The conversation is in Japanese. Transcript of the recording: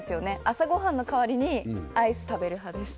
朝ごはんの代わりにアイス食べる派です